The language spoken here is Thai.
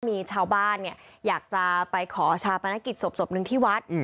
มีชาวบ้านเนี่ยอยากจะไปขอชาปนกิจศพหนึ่งที่วัด